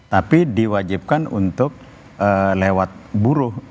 tapi diwajibkan untuk lewat buruh